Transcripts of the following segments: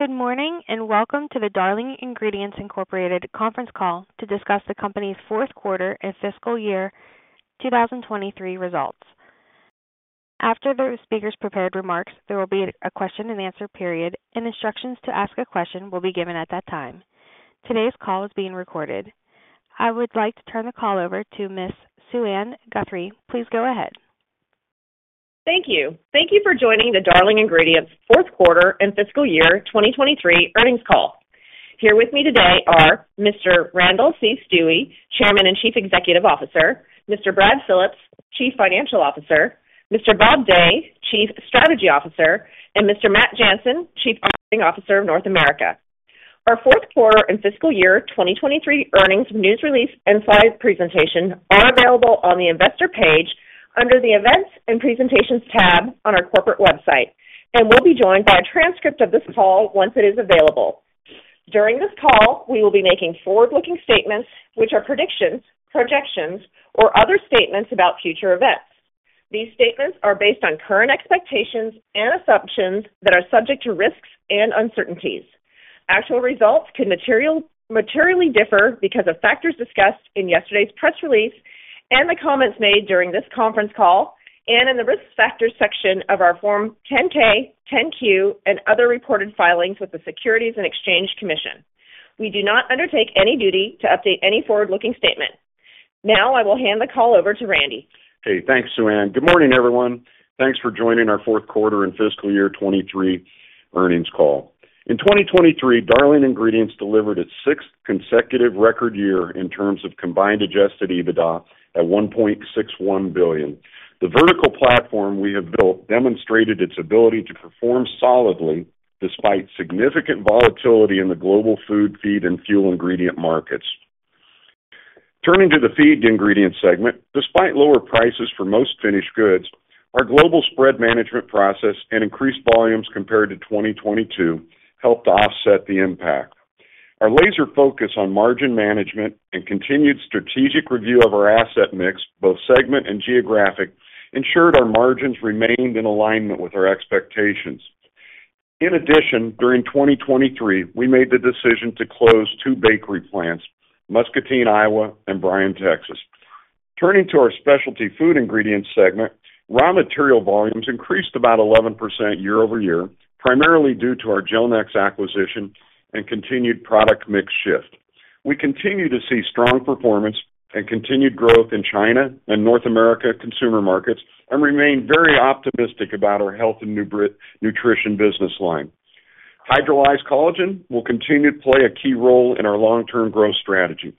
Good morning and welcome to the Darling Ingredients Incorporated conference call to discuss the company's Q4 and fiscal year 2023 results. After the speaker's prepared remarks, there will be a question-and-answer period, and instructions to ask a question will be given at that time. Today's call is being recorded. I would like to turn the call over to Ms. Suann Guthrie. Please go ahead. Thank you. Thank you for joining the Darling Ingredients fourth quarter and fiscal year 2023 earnings call. Here with me today are Mr. Randall C. Stuewe, Chairman and Chief Executive Officer, Mr. Brad Phillips, Chief Financial Officer, Mr. Bob Day, Chief Strategy Officer, and Mr. Matt Jansen, Chief Operating Officer of North America. Our Q4 and fiscal year 2023 earnings news release and slide presentation are available on the investor page under the Events and Presentations tab on our corporate website, and we'll be joined by a transcript of this call once it is available. During this call, we will be making forward-looking statements which are predictions, projections, or other statements about future events. These statements are based on current expectations and assumptions that are subject to risks and uncertainties. Actual results can materially differ because of factors discussed in yesterday's press release and the comments made during this conference call and in the Risk Factors section of our Form 10-K, 10-Q, and other reported filings with the Securities and Exchange Commission. We do not undertake any duty to update any forward-looking statement. Now I will hand the call over to Randy. Hey, thanks, Suann. Good morning, everyone. Thanks for joining our Q4 and fiscal year 2023 earnings call. In 2023, Darling Ingredients delivered its sixth consecutive record year in terms of combined adjusted EBITDA at $1.61 billion. The vertical platform we have built demonstrated its ability to perform solidly despite significant volatility in the global food, feed, and fuel ingredient markets. Turning to the feed ingredient segment, despite lower prices for most finished goods, our global spread management process and increased volumes compared to 2022 helped offset the impact. Our laser focus on margin management and continued strategic review of our asset mix, both segment and geographic, ensured our margins remained in alignment with our expectations. In addition, during 2023, we made the decision to close two bakery plants, Muscatine, Iowa, and Bryan, Texas. Turning to our specialty food ingredients segment, raw material volumes increased about 11% year-over-year, primarily due to our Gelnex acquisition and continued product mix shift. We continue to see strong performance and continued growth in China and North America consumer markets and remain very optimistic about our health and nutrition business line. Hydrolyzed collagen will continue to play a key role in our long-term growth strategy.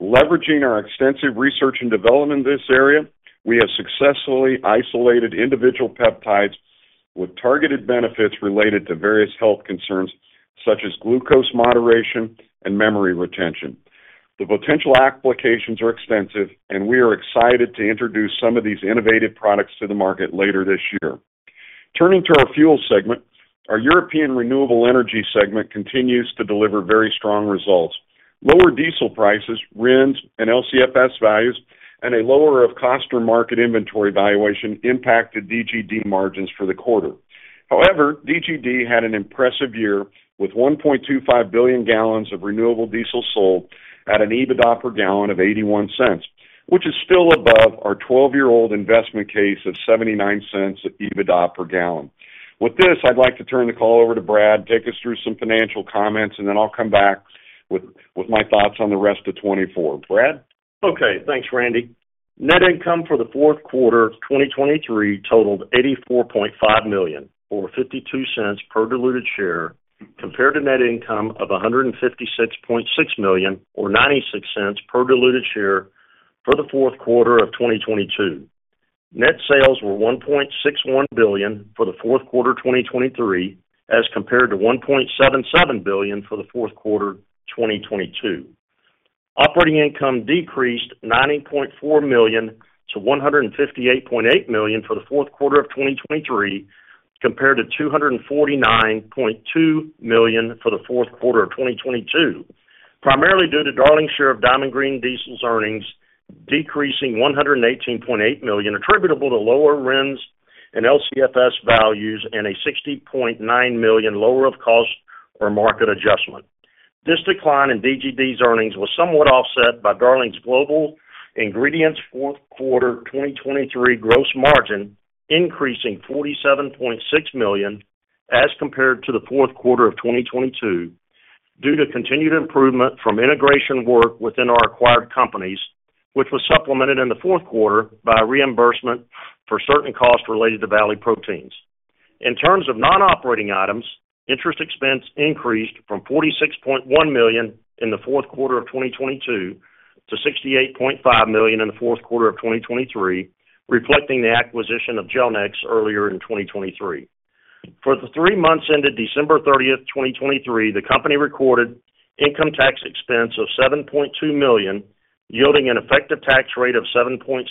Leveraging our extensive research and development in this area, we have successfully isolated individual peptides with targeted benefits related to various health concerns such as glucose moderation and memory retention. The potential applications are extensive, and we are excited to introduce some of these innovative products to the market later this year. Turning to our fuel segment, our European renewable energy segment continues to deliver very strong results. Lower diesel prices, RINs, and LCFS values, and a lower-of-cost-or-market inventory valuation impacted DGD margins for the quarter. However, DGD had an impressive year with 1.25 billion gallons of renewable diesel sold at an EBITDA per gallon of $0.81, which is still above our 12-year-old investment case of $0.79 EBITDA per gallon. With this, I'd like to turn the call over to Brad, take us through some financial comments, and then I'll come back with my thoughts on the rest of 2024. Brad? Okay. Thanks, Randy. Net income for the Q4 2023 totaled $84.5 million or $0.52 per diluted share compared to net income of $156.6 million or $0.96 per diluted share for the Q4 of 2022. Net sales were $1.61 billion for the Q4 2023 as compared to $1.77 billion for the Q4 2022. Operating income decreased $90.4 million to $158.8 million for the Q4 of 2023 compared to $249.2 million for the Q4 of 2022, primarily due to Darling's share of Diamond Green Diesel's earnings decreasing $118.8 million attributable to lower RINs and LCFS values and a $60.9 million lower of cost or market adjustment. This decline in DGD's earnings was somewhat offset by Darling's Global Ingredients Q4 2023 gross margin increasing $47.6 million as compared to the Q4 of 2022 due to continued improvement from integration work within our acquired companies, which was supplemented in the Q4 by reimbursement for certain costs related to Valley Proteins. In terms of non-operating items, interest expense increased from $46.1 million in the Q4 of 2022 to $68.5 million in the Q4 of 2023, reflecting the acquisition of Gelnex earlier in 2023. For the three months ended December 30th, 2023, the company recorded income tax expense of $7.2 million, yielding an effective tax rate of 7.7%,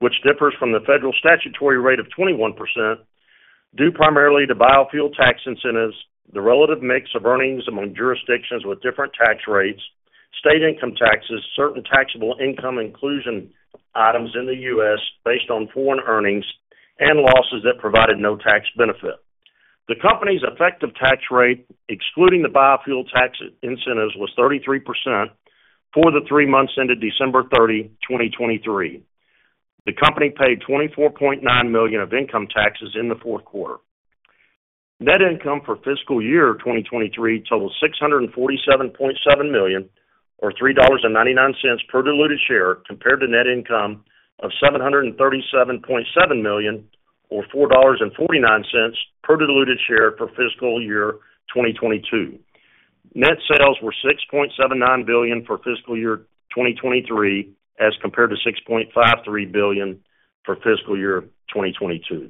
which differs from the federal statutory rate of 21% due primarily to biofuel tax incentives, the relative mix of earnings among jurisdictions with different tax rates, state income taxes, certain taxable income inclusion items in the U.S. based on foreign earnings, and losses that provided no tax benefit. The company's effective tax rate, excluding the biofuel tax incentives, was 33% for the three months ended December 30, 2023. The company paid $24.9 million of income taxes in the Q4. Net income for fiscal year 2023 totaled $647.7 million or $3.99 per diluted share compared to net income of $737.7 million or $4.49 per diluted share for fiscal year 2022. Net sales were $6.79 billion for fiscal year 2023 as compared to $6.53 billion for fiscal year 2022.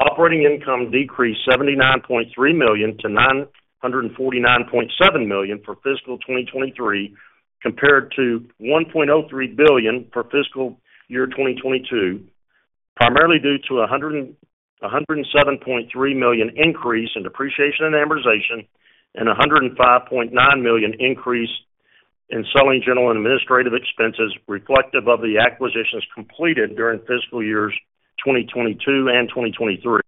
Operating income decreased $79.3 million to $949.7 million for fiscal 2023 compared to $1.03 billion for fiscal year 2022, primarily due to a $107.3 million increase in depreciation and amortization and $105.9 million increase in selling general and administrative expenses reflective of the acquisitions completed during fiscal years 2022 and 2023.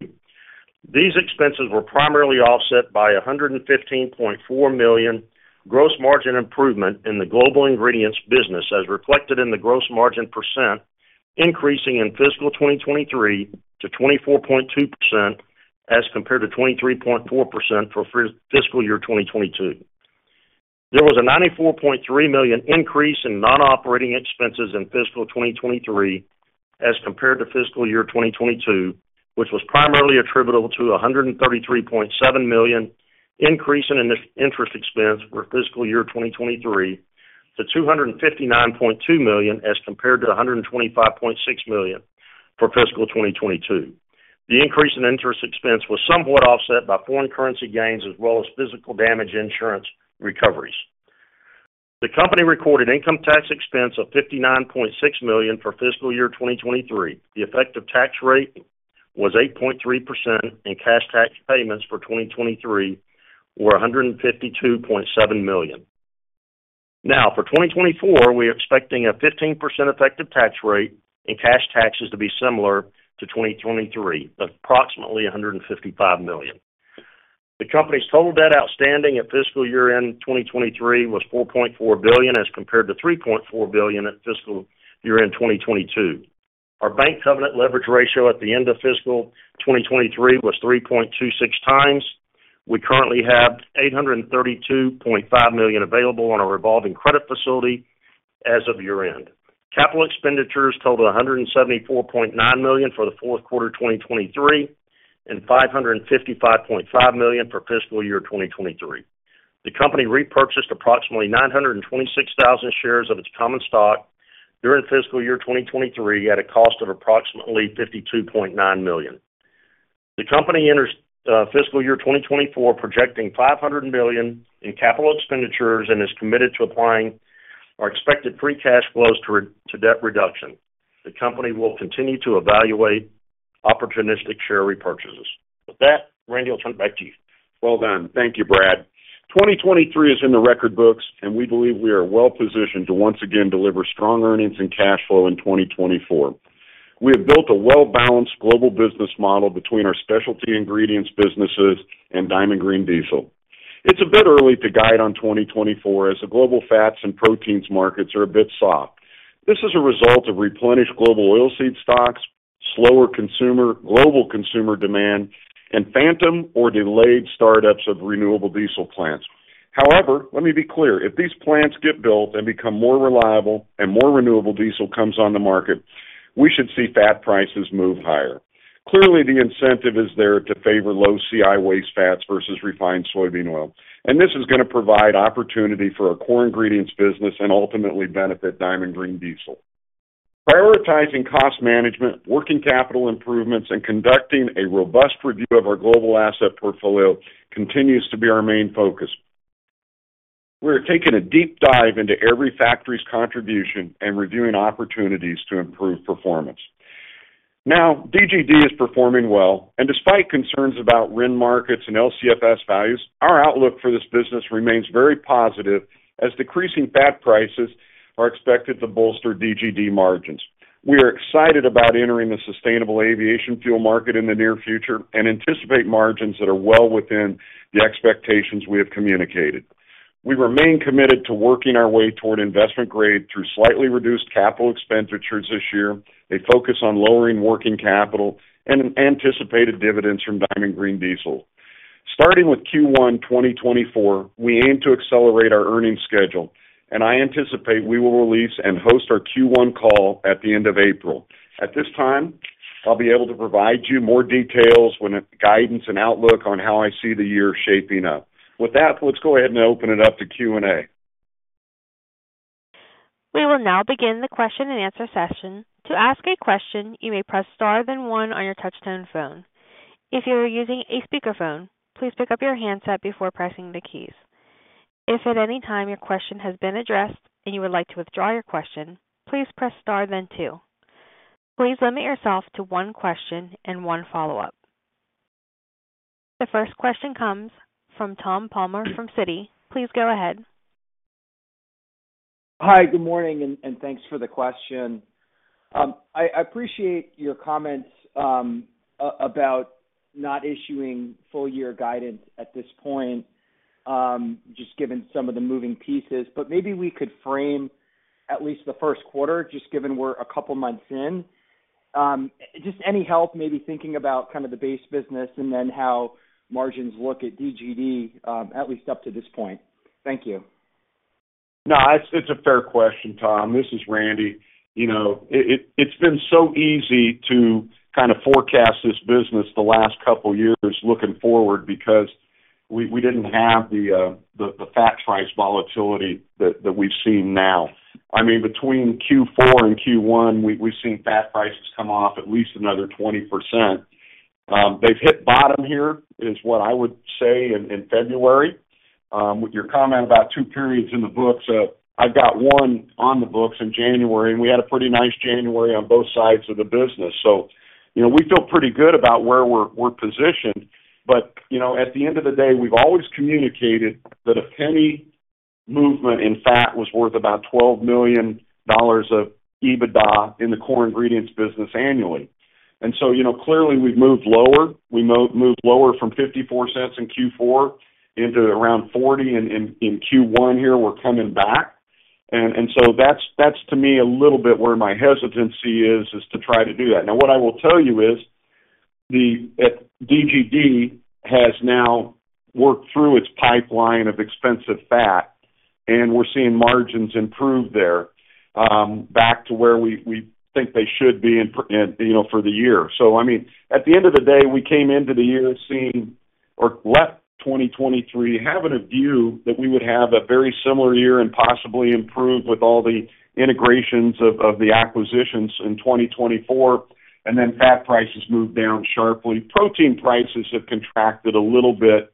These expenses were primarily offset by $115.4 million gross margin improvement in the global ingredients business as reflected in the gross margin percent increasing in fiscal 2023 to 24.2% as compared to 23.4% for fiscal year 2022. There was a $94.3 million increase in non-operating expenses in fiscal 2023 as compared to fiscal year 2022, which was primarily attributable to a $133.7 million increase in interest expense for fiscal year 2023 to $259.2 million as compared to $125.6 million for fiscal 2022. The increase in interest expense was somewhat offset by foreign currency gains as well as physical damage insurance recoveries. The company recorded income tax expense of $59.6 million for fiscal year 2023. The effective tax rate was 8.3%, and cash tax payments for 2023 were $152.7 million. Now, for 2024, we are expecting a 15% effective tax rate and cash taxes to be similar to 2023, approximately $155 million. The company's total debt outstanding at fiscal year end 2023 was $4.4 billion as compared to $3.4 billion at fiscal year end 2022. Our bank covenant leverage ratio at the end of fiscal 2023 was 3.26x. We currently have $832.5 million available on a revolving credit facility as of year-end. Capital expenditures totaled $174.9 million for the Q4 2023 and $555.5 million for fiscal year 2023. The company repurchased approximately 926,000 shares of its common stock during fiscal year 2023 at a cost of approximately $52.9 million. The company enters fiscal year 2024 projecting $500 million in capital expenditures and is committed to applying our expected free cash flows to debt reduction. The company will continue to evaluate opportunistic share repurchases. With that, Randy, I'll turn it back to you. Well done. Thank you, Brad. 2023 is in the record books, and we believe we are well positioned to once again deliver strong earnings and cash flow in 2024. We have built a well-balanced global business model between our specialty ingredients businesses and Diamond Green Diesel. It's a bit early to guide on 2024 as the global fats and proteins markets are a bit soft. This is a result of replenished global oilseed stocks, slower global consumer demand, and phantom or delayed startups of renewable diesel plants. However, let me be clear. If these plants get built and become more reliable and more renewable diesel comes on the market, we should see fat prices move higher. Clearly, the incentive is there to favor low CI waste fats versus refined soybean oil, and this is going to provide opportunity for our core ingredients business and ultimately benefit Diamond Green Diesel. Prioritizing cost management, working capital improvements, and conducting a robust review of our global asset portfolio continues to be our main focus. We are taking a deep dive into every factory's contribution and reviewing opportunities to improve performance. Now, DGD is performing well, and despite concerns about RIN markets and LCFS values, our outlook for this business remains very positive as decreasing fat prices are expected to bolster DGD margins. We are excited about entering the sustainable aviation fuel market in the near future and anticipate margins that are well within the expectations we have communicated. We remain committed to working our way toward investment grade through slightly reduced capital expenditures this year, a focus on lowering working capital, and anticipated dividends from Diamond Green Diesel. Starting with Q1 2024, we aim to accelerate our earnings schedule, and I anticipate we will release and host our Q1 call at the end of April. At this time, I'll be able to provide you more details, guidance, and outlook on how I see the year shaping up. With that, let's go ahead and open it up to Q&A. We will now begin the question and answer session. To ask a question, you may press star then one on your touch-tone phone. If you are using a speakerphone, please pick up your handset before pressing the keys. If at any time your question has been addressed and you would like to withdraw your question, please press star then two. Please limit yourself to one question and one follow-up. The first question comes from Tom Palmer from Citi. Please go ahead. Hi. Good morning and thanks for the question. I appreciate your comments about not issuing full-year guidance at this point, just given some of the moving pieces. But maybe we could frame at least the Q1, just given we're a couple of months in. Just any help, maybe thinking about kind of the base business and then how margins look at DGD, at least up to this point. Thank you. No, it's a fair question, Tom. This is Randy. It's been so easy to kind of forecast this business the last couple of years looking forward because we didn't have the fat price volatility that we've seen now. I mean, between Q4 and Q1, we've seen fat prices come off at least another 20%. They've hit bottom here, is what I would say, in February. With your comment about two periods in the books, I've got one on the books in January, and we had a pretty nice January on both sides of the business. So we feel pretty good about where we're positioned. But at the end of the day, we've always communicated that a penny movement in fat was worth about $12 million of EBITDA in the core ingredients business annually. And so clearly, we've moved lower. We moved lower from $0.54 in Q4 into around $0.40 in Q1 here. We're coming back. And so that's, to me, a little bit where my hesitancy is, is to try to do that. Now, what I will tell you is DGD has now worked through its pipeline of expensive fat, and we're seeing margins improve there back to where we think they should be for the year. So I mean, at the end of the day, we came into the year seeing or left 2023 having a view that we would have a very similar year and possibly improve with all the integrations of the acquisitions in 2024, and then fat prices moved down sharply. Protein prices have contracted a little bit.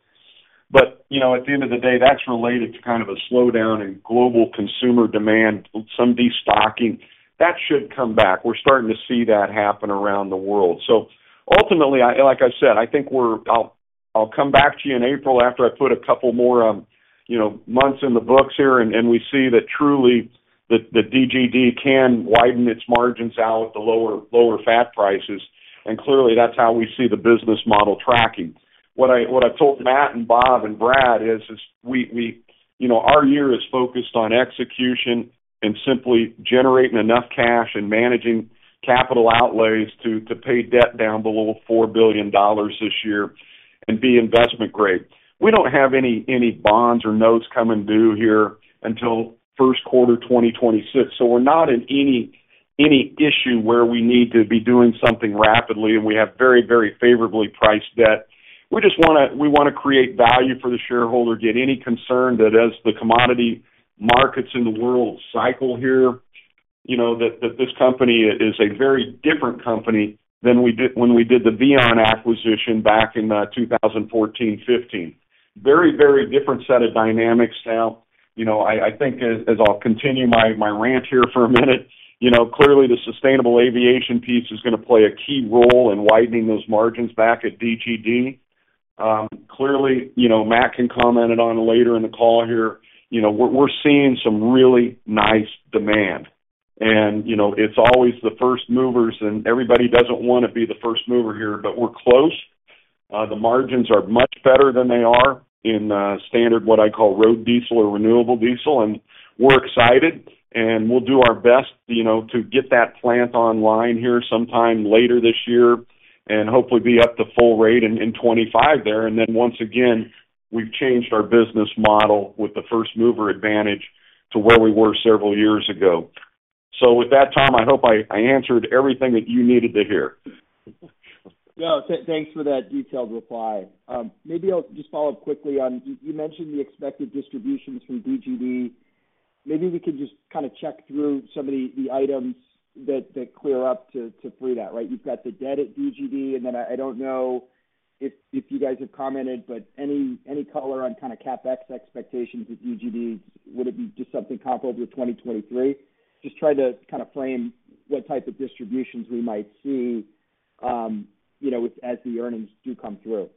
But at the end of the day, that's related to kind of a slowdown in global consumer demand, some destocking. That should come back. We're starting to see that happen around the world. So ultimately, like I said, I think we'll come back to you in April after I put a couple more months in the books here, and we see that truly that DGD can widen its margins out with the lower fat prices. And clearly, that's how we see the business model tracking. What I've told Matt and Bob and Brad is our year is focused on execution and simply generating enough cash and managing capital outlays to pay debt down below $4 billion this year and be investment grade. We don't have any bonds or notes coming due here until Q1 2026. So we're not in any issue where we need to be doing something rapidly, and we have very, very favorably priced debt. We want to create value for the shareholder. Get any concern that as the commodity markets in the world cycle here, that this company is a very different company than when we did the VION acquisition back in 2014, 2015. Very, very different set of dynamics now. I think as I'll continue my rant here for a minute, clearly, the sustainable aviation piece is going to play a key role in widening those margins back at DGD. Clearly, Matt can comment it on later in the call here. We're seeing some really nice demand, and it's always the first movers, and everybody doesn't want to be the first mover here, but we're close. The margins are much better than they are in standard, what I call, road diesel or renewable diesel. And we're excited, and we'll do our best to get that plant online here sometime later this year and hopefully be up to full rate in 2025 there. And then once again, we've changed our business model with the first mover advantage to where we were several years ago. So with that, Tom, I hope I answered everything that you needed to hear. No, thanks for that detailed reply. Maybe I'll just follow up quickly on you mentioned the expected distributions from DGD. Maybe we could just kind of check through some of the items that clear up to free that, right? You've got the debt at DGD, and then I don't know if you guys have commented, but any color on kind of CapEx expectations at DGD, would it be just something comparable to 2023? Just trying to kind of frame what type of distributions we might see as the earnings do come through.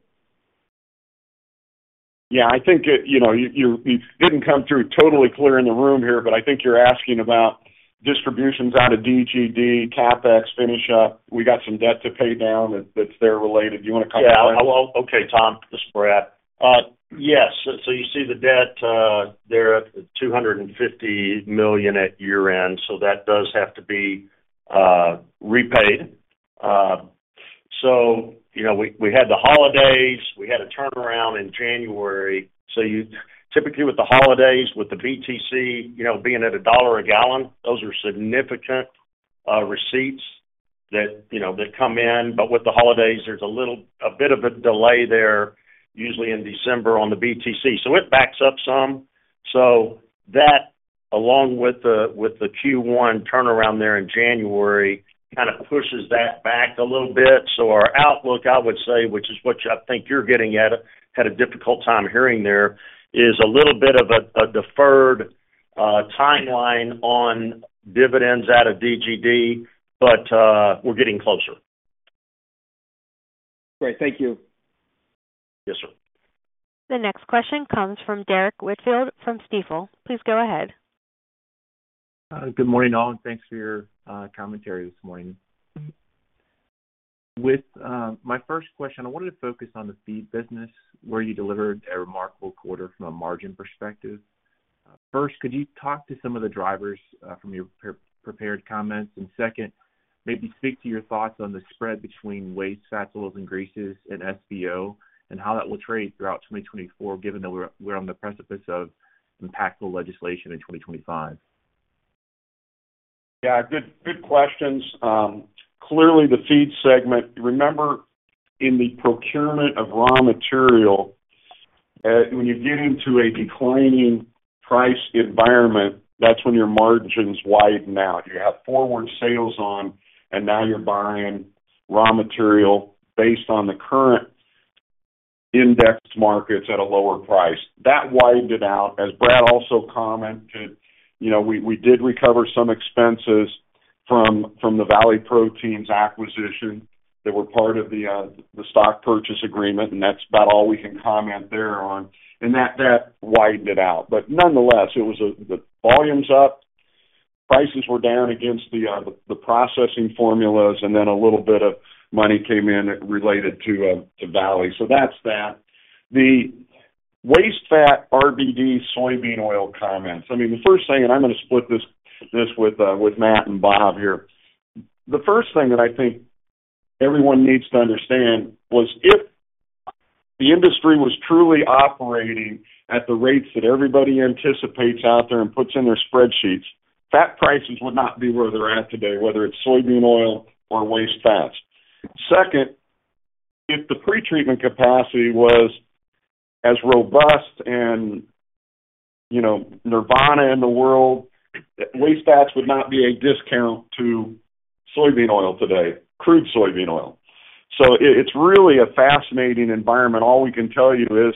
Yeah, I think it didn't come through totally clear in the room here, but I think you're asking about distributions out of DGD, CapEx, finish up. We got some debt to pay down that's there related. Do you want to comment on that? Yeah. Okay, Tom. This is Brad. Yes. So you see the debt there at $250 million at year end. So that does have to be repaid. So we had the holidays. We had a turnaround in January. So typically, with the holidays, with the BTC being at $1 a gallon, those are significant receipts that come in. But with the holidays, there's a bit of a delay there, usually in December, on the BTC. So it backs up some. So that, along with the Q1 turnaround there in January, kind of pushes that back a little bit. So our outlook, I would say, which is what I think you're getting at, had a difficult time hearing there, is a little bit of a deferred timeline on dividends out of DGD, but we're getting closer. Great. Thank you. Yes, sir. The next question comes from Derrick Whitfield from Stifel. Please go ahead. Good morning, all. Thanks for your commentary this morning. With my first question, I wanted to focus on the feed business where you delivered a remarkable quarter from a margin perspective. First, could you talk to some of the drivers from your prepared comments? And second, maybe speak to your thoughts on the spread between waste, fats, oils, and greases, and SBO, and how that will trade throughout 2024, given that we're on the precipice of impactful legislation in 2025? Yeah, good questions. Clearly, the feed segment—remember, in the procurement of raw material, when you get into a declining price environment, that's when your margins widen out. You have forward sales on, and now you're buying raw material based on the current indexed markets at a lower price. That widened it out. As Brad also commented, we did recover some expenses from the Valley Proteins Acquisition that were part of the stock purchase agreement, and that's about all we can comment there on. And that widened it out. But nonetheless, the volume's up. Prices were down against the processing formulas, and then a little bit of money came in related to Valley. So that's that. The waste, fat, RBD, soybean oil comments. I mean, the first thing and I'm going to split this with Matt and Bob here. The first thing that I think everyone needs to understand was if the industry was truly operating at the rates that everybody anticipates out there and puts in their spreadsheets, fat prices would not be where they're at today, whether it's soybean oil or waste fats. Second, if the pretreatment capacity was as robust and nirvana in the world, waste fats would not be a discount to soybean oil today, crude soybean oil. So it's really a fascinating environment. All we can tell you is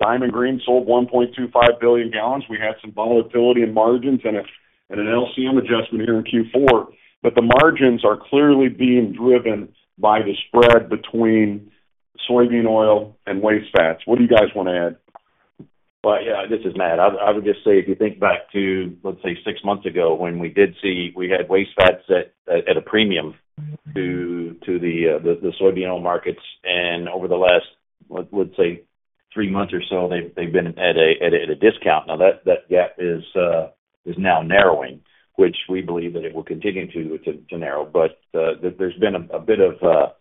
Diamond Green sold 1.25 billion gallons. We had some volatility in margins and an LCM adjustment here in Q4. But the margins are clearly being driven by the spread between soybean oil and waste fats. What do you guys want to add? Yeah, this is Matt. I would just say if you think back to, let's say, six months ago when we had waste fats at a premium to the soybean oil markets. And over the last, let's say, three months or so, they've been at a discount. Now, that gap is now narrowing, which we believe that it will continue to narrow. But there's been a bit of,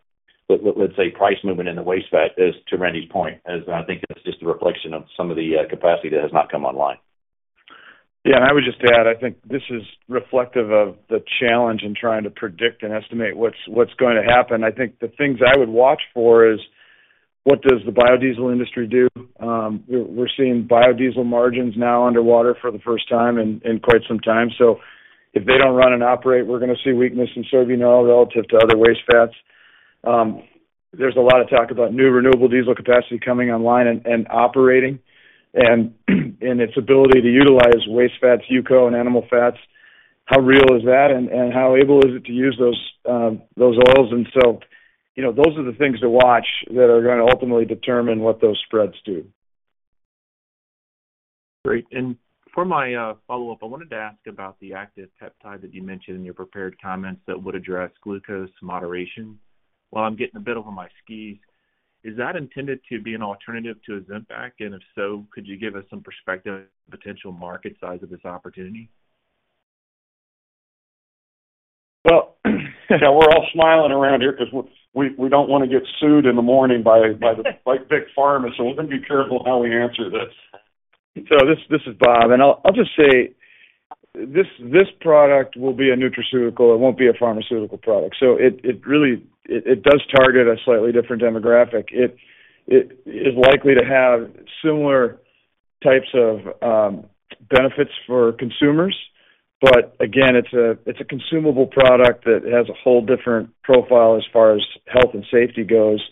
let's say, price movement in the waste fat, to Randy's point, as I think it's just a reflection of some of the capacity that has not come online. Yeah. And I would just add, I think this is reflective of the challenge in trying to predict and estimate what's going to happen. I think the things I would watch for is what does the biodiesel industry do? We're seeing biodiesel margins now underwater for the first time in quite some time. So if they don't run and operate, we're going to see weakness in soybean oil relative to other waste fats. There's a lot of talk about new Renewable Diesel capacity coming online and operating and its ability to utilize waste fats, UCO, and animal fats. How real is that, and how able is it to use those oils? And so those are the things to watch that are going to ultimately determine what those spreads do. Great. And for my follow-up, I wanted to ask about the active peptide that you mentioned in your prepared comments that would address glucose moderation. Well, I'm getting a bit over my skis. Is that intended to be an alternative to Ozempic? And if so, could you give us some perspective on the potential market size of this opportunity? Well, yeah, we're all smiling around here because we don't want to get sued in the morning by the big pharmacy. So we're going to be careful how we answer this. So this is Bob. And I'll just say this product will be a nutraceutical. It won't be a pharmaceutical product. So it does target a slightly different demographic. It is likely to have similar types of benefits for consumers. But again, it's a consumable product that has a whole different profile as far as health and safety goes.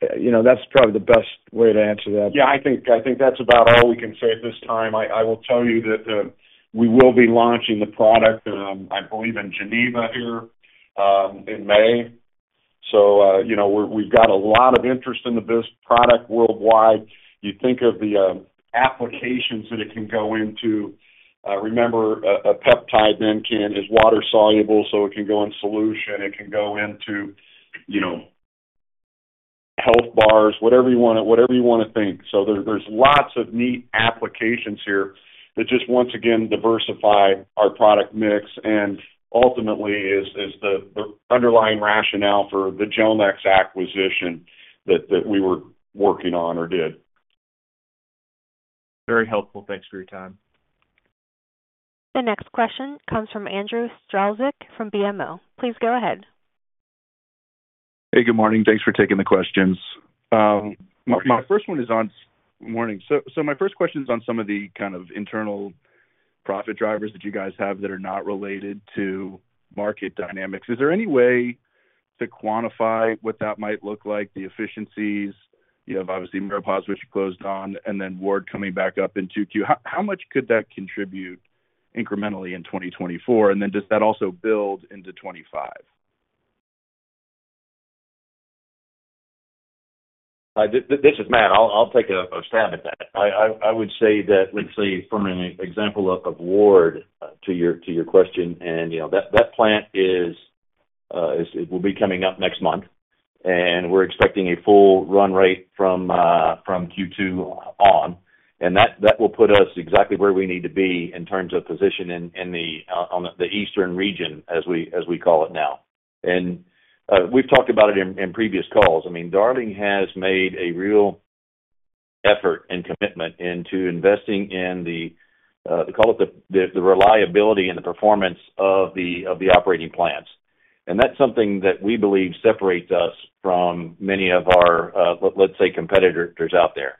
That's probably the best way to answer that. Yeah, I think that's about all we can say at this time. I will tell you that we will be launching the product, I believe, in Geneva here in May. So we've got a lot of interest in the product worldwide. You think of the applications that it can go into. Remember, a peptide then can is water soluble, so it can go in solution. It can go into health bars, whatever you want to think. So there's lots of neat applications here that just, once again, diversify our product mix and ultimately is the underlying rationale for the Gelnex acquisition that we were working on or did. Very helpful. Thanks for your time. The next question comes from Andrew Strelzik from BMO. Please go ahead. Hey, good morning. Thanks for taking the questions. So my first question is on some of the kind of internal profit drivers that you guys have that are not related to market dynamics. Is there any way to quantify what that might look like, the efficiencies? You have, obviously, Miropasz, which you closed on, and then Ward coming back up in 2Q. How much could that contribute incrementally in 2024? And then does that also build into 2025? This is Matt. I'll take a stab at that. I would say that, let's say, from an example of Ward to your question, and that plant will be coming up next month, and we're expecting a full run rate from Q2 on. That will put us exactly where we need to be in terms of position in the eastern region, as we call it now. We've talked about it in previous calls. I mean, Darling has made a real effort and commitment into investing in the call it the reliability and the performance of the operating plants. That's something that we believe separates us from many of our, let's say, competitors out there.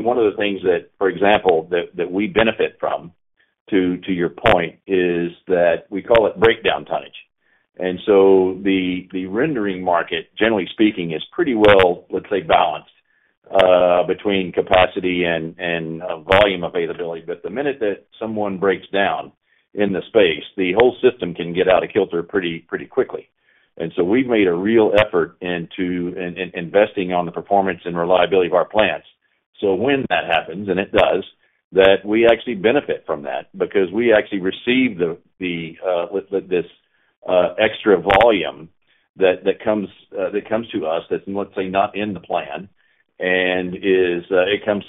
One of the things that, for example, that we benefit from, to your point, is that we call it breakdown tonnage. The rendering market, generally speaking, is pretty well, let's say, balanced between capacity and volume availability. But the minute that someone breaks down in the space, the whole system can get out of kilter pretty quickly. We've made a real effort into investing on the performance and reliability of our plants. So when that happens, and it does, that we actually benefit from that because we actually receive this extra volume that comes to us that's, let's say, not in the plan, and it comes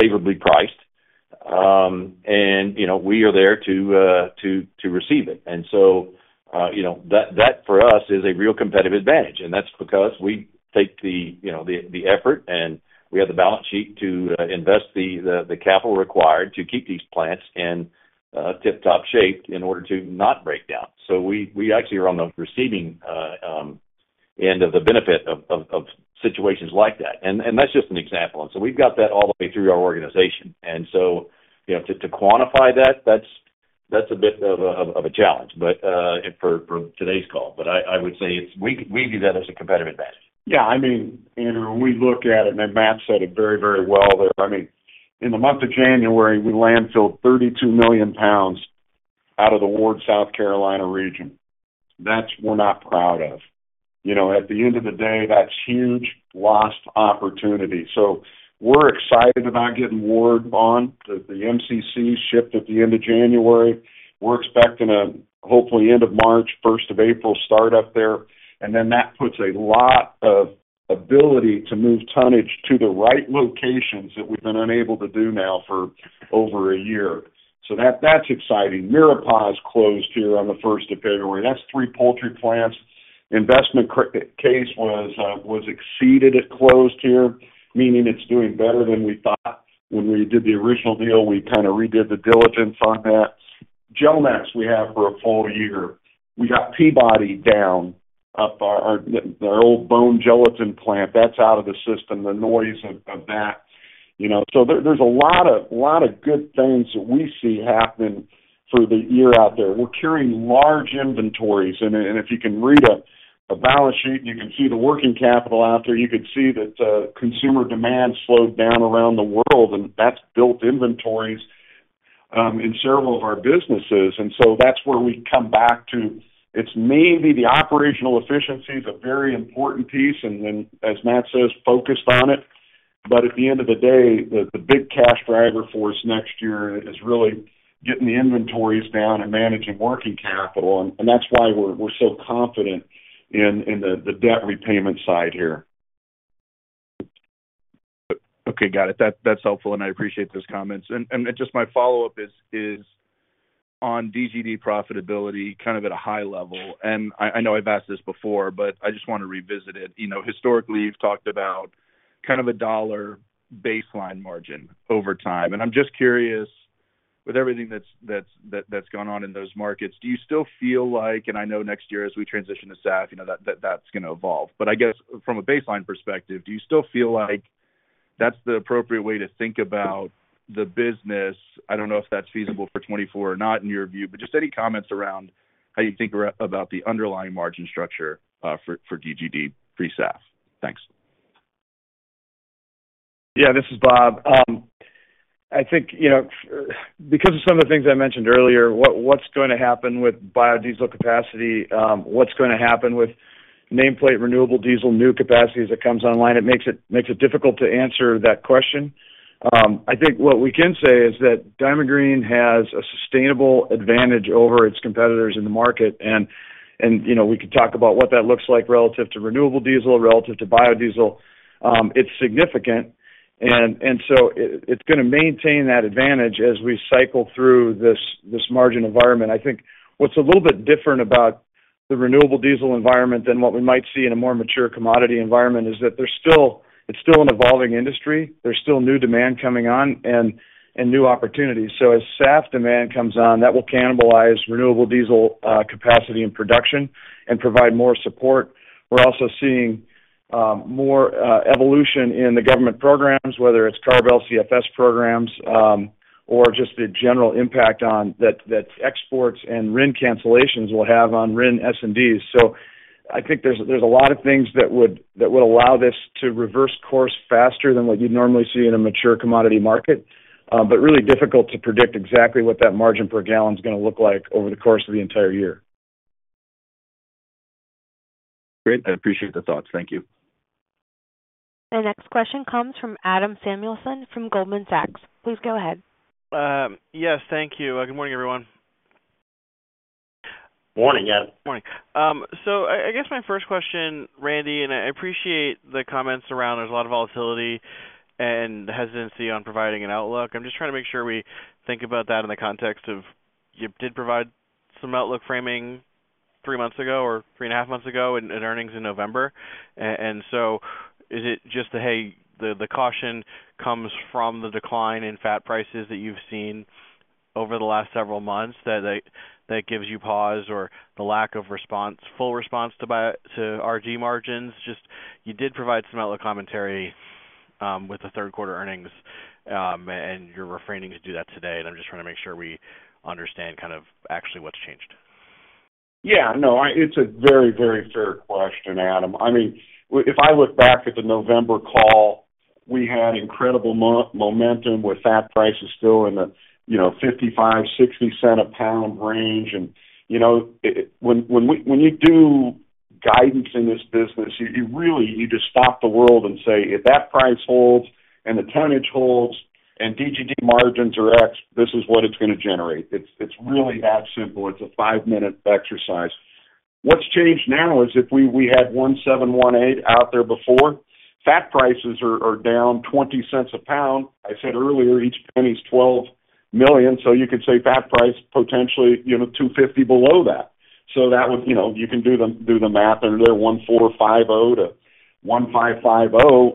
favorably priced. And we are there to receive it. That, for us, is a real competitive advantage. That's because we take the effort, and we have the balance sheet to invest the capital required to keep these plants in tip-top shape in order to not break down. We actually are on the receiving end of the benefit of situations like that. That's just an example. We've got that all the way through our organization. To quantify that, that's a bit of a challenge for today's call. But I would say we view that as a competitive advantage. Yeah. I mean, Andrew, when we look at it, and Matt said it very, very well there, I mean, in the month of January, we landfilled 32 million pounds out of the Ward, South Carolina region. We're not proud of. At the end of the day, that's huge lost opportunity. So we're excited about getting Ward on. The MCC shipped at the end of January. We're expecting a, hopefully, end of March, 1st of April, startup there. And then that puts a lot of ability to move tonnage to the right locations that we've been unable to do now for over a year. So that's exciting. Miropasz closed here on the 1st of February. That's three poultry plants. Investment case was exceeded at closed here, meaning it's doing better than we thought. When we did the original deal, we kind of redid the diligence on that. Gelnex we have for a full year. We got Peabody down, our old bone gelatin plant. That's out of the system. The noise of that. So there's a lot of good things that we see happening for the year out there. We're carrying large inventories. And if you can read a balance sheet, you can see the working capital out there. You could see that consumer demand slowed down around the world, and that's built inventories in several of our businesses. And so that's where we come back to it's maybe the operational efficiency is a very important piece and then, as Matt says, focused on it. But at the end of the day, the big cash driver for us next year is really getting the inventories down and managing working capital. And that's why we're so confident in the debt repayment side here. Okay. Got it. That's helpful, and I appreciate those comments. Just my follow-up is on DGD profitability kind of at a high level. And I know I've asked this before, but I just want to revisit it. Historically, you've talked about kind of a dollar baseline margin over time. And I'm just curious, with everything that's gone on in those markets, do you still feel like, and I know next year, as we transition to SAF, that's going to evolve. But I guess from a baseline perspective, do you still feel like that's the appropriate way to think about the business? I don't know if that's feasible for 2024 or not in your view, but just any comments around how you think about the underlying margin structure for DGD pre-SAF? Thanks. Yeah, this is Bob. I think because of some of the things I mentioned earlier, what's going to happen with biodiesel capacity? What's going to happen with nameplate renewable diesel new capacities that comes online? It makes it difficult to answer that question. I think what we can say is that Diamond Green has a sustainable advantage over its competitors in the market. And we could talk about what that looks like relative to renewable diesel, relative to biodiesel. It's significant. And so it's going to maintain that advantage as we cycle through this margin environment. I think what's a little bit different about the renewable diesel environment than what we might see in a more mature commodity environment is that it's still an evolving industry. There's still new demand coming on and new opportunities. So as SAF demand comes on, that will cannibalize renewable diesel capacity and production and provide more support. We're also seeing more evolution in the government programs, whether it's CARB LCFS programs or just the general impact that exports and RIN cancellations will have on RIN S&Ds. So I think there's a lot of things that would allow this to reverse course faster than what you'd normally see in a mature commodity market, but really difficult to predict exactly what that margin per gallon is going to look like over the course of the entire year. Great. I appreciate the thoughts. Thank you. The next question comes from Adam Samuelson from Goldman Sachs. Please go ahead. Yes. Thank you. Good morning, everyone. Morning, yeah. Morning. So I guess my first question, Randy, and I appreciate the comments around there's a lot of volatility and hesitancy on providing an outlook. I'm just trying to make sure we think about that in the context of you did provide some outlook framing 3 months ago or 3.5 months ago and earnings in November. And so is it just the, "Hey, the caution comes from the decline in fat prices that you've seen over the last several months that gives you pause or the lack of response, full response to RG margins?" Just you did provide some outlook commentary with the third-quarter earnings, and you're refraining to do that today. And I'm just trying to make sure we understand kind of actually what's changed. Yeah. No, it's a very, very fair question, Adam. I mean, if I look back at the November call, we had incredible momentum with fat prices still in the $0.55-$0.60/lb range. And when you do guidance in this business, you just stop the world and say, "If that price holds and the tonnage holds and DGD margins are X, this is what it's going to generate." It's really that simple. It's a five-minute exercise. What's changed now is if we had $1,718 out there before, fat prices are down $0.20/lb. I said earlier, each penny is $12 million. So you could say fat price potentially $0.25 below that. So you can do the math. There $1,450-$1,550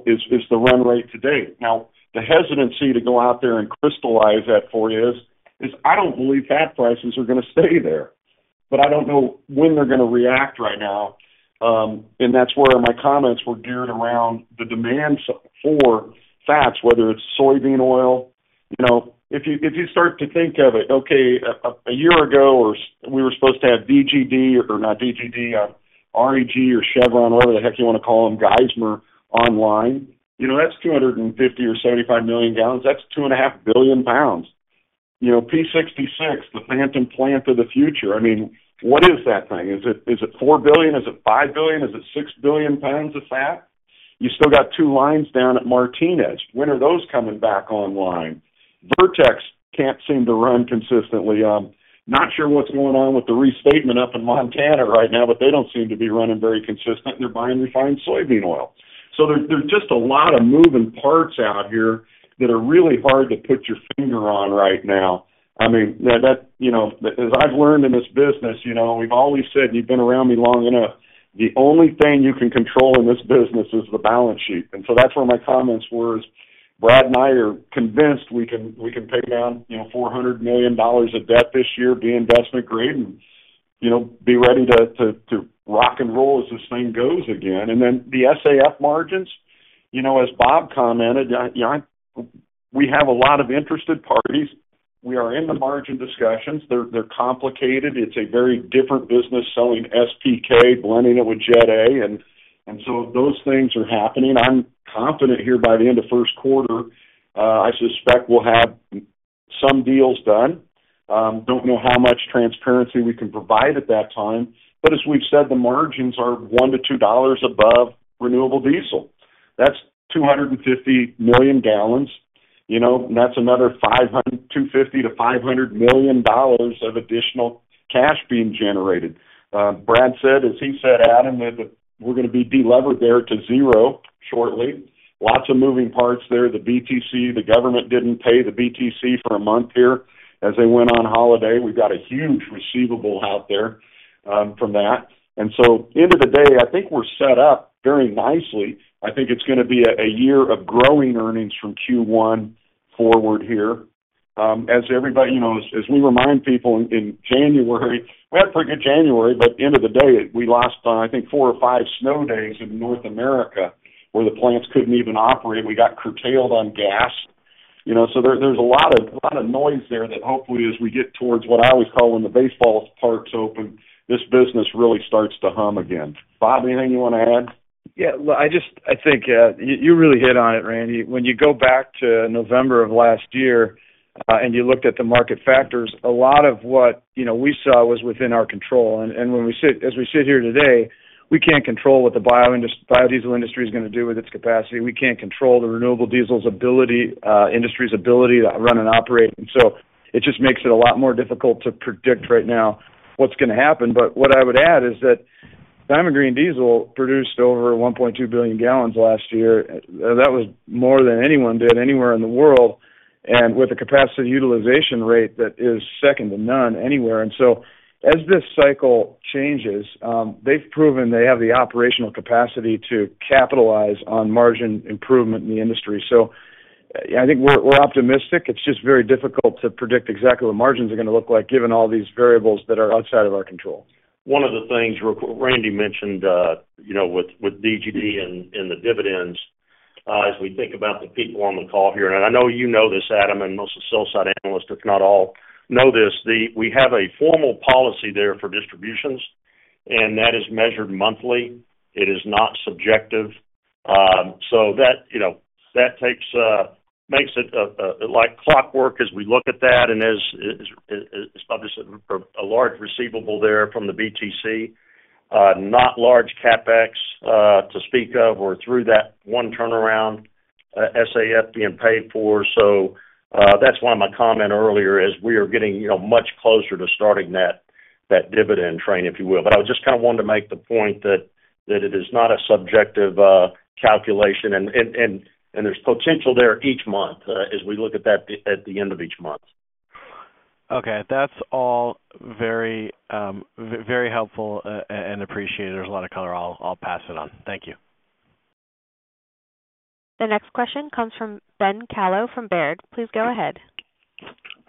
is the run rate today. Now, the hesitancy to go out there and crystallize that for you is, "I don't believe fat prices are going to stay there." But I don't know when they're going to react right now. And that's where my comments were geared around the demand for fats, whether it's soybean oil. If you start to think of it, okay, a year ago, we were supposed to have DGD or not DGD, REG or Chevron, whatever the heck you want to call them, Geismar online. That's 250 or 75 million gallons. That's 2.5 billion pounds. P66, the Phantom Plant of the Future, I mean, what is that thing? Is it 4 billion? Is it 5 billion? Is it 6 billion pounds of fat? You still got two lines down at Martinez. When are those coming back online? Vertex can't seem to run consistently. Not sure what's going on with the restatement up in Montana right now, but they don't seem to be running very consistent, and they're buying refined soybean oil. So there's just a lot of moving parts out here that are really hard to put your finger on right now. I mean, as I've learned in this business, we've always said, and you've been around me long enough, the only thing you can control in this business is the balance sheet. And so that's where my comments were is Brad and I are convinced we can pay down $400 million of debt this year, be investment-grade, and be ready to rock and roll as this thing goes again. And then the SAF margins, as Bob commented, we have a lot of interested parties. We are in the margin discussions. They're complicated. It's a very different business selling SPK, blending it with Jet A. So those things are happening. I'm confident here by the end of first quarter, I suspect, we'll have some deals done. Don't know how much transparency we can provide at that time. But as we've said, the margins are $1-$2 above renewable diesel. That's 250 million gallons. That's another $250 million-$500 million of additional cash being generated. Brad said, as he said, Adam, that we're going to be delivered there to zero shortly. Lots of moving parts there. The BTC, the government didn't pay the BTC for a month here as they went on holiday. We've got a huge receivable out there from that. So end of the day, I think we're set up very nicely. I think it's going to be a year of growing earnings from Q1 forward here. As we remind people in January, we had a pretty good January, but at the end of the day, we lost, I think, four or five snow days in North America where the plants couldn't even operate. We got curtailed on gas. So there's a lot of noise there that hopefully, as we get towards what I always call when the baseball parks open, this business really starts to hum again. Bob, anything you want to add? Yeah. I think you really hit on it, Randy. When you go back to November of last year and you looked at the market factors, a lot of what we saw was within our control. And as we sit here today, we can't control what the biodiesel industry is going to do with its capacity. We can't control the renewable diesel industry's ability to run and operate. It just makes it a lot more difficult to predict right now what's going to happen. What I would add is that Diamond Green Diesel produced over 1.2 billion gallons last year. That was more than anyone did anywhere in the world and with a capacity utilization rate that is second to none anywhere. As this cycle changes, they've proven they have the operational capacity to capitalize on margin improvement in the industry. I think we're optimistic. It's just very difficult to predict exactly what margins are going to look like given all these variables that are outside of our control. One of the things Randy mentioned with DGD and the dividends, as we think about the people on the call here and I know you know this, Adam, and most of the sell-side analysts, if not all, know this. We have a formal policy there for distributions, and that is measured monthly. It is not subjective. So that makes it like clockwork as we look at that. And as I've just said, a large receivable there from the BTC, not large CapEx to speak of or through that one turnaround SAF being paid for. So that's why my comment earlier is we are getting much closer to starting that dividend train, if you will. But I just kind of wanted to make the point that it is not a subjective calculation. And there's potential there each month as we look at that at the end of each month. Okay. That's all very helpful and appreciated. There's a lot of color. I'll pass it on. Thank you. The next question comes from Ben Kallo from Baird. Please go ahead.